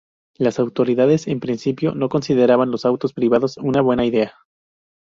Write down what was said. Las autoridades, en principio, no consideraban los autos privados una buena idea.